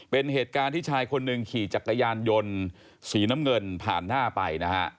เป็นเหตุการณ์ที่ชายคนหนึ่งขี่จักรยานยนต์สีน้ำเงินผ่านหน้าไปนะฮะ